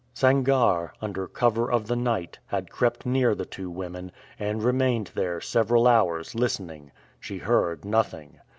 Sangarre, under cover of the night, had crept near the two women, and remained there several hours listening. She heard nothing.